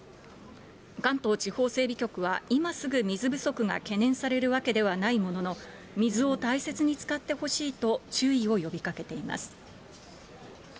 関東地方整備局は今すぐ水不足が懸念されるわけではないものの、水を大切に使ってほしいと注意を呼びかけています。